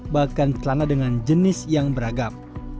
bahkan celana dengan jenis yang beragam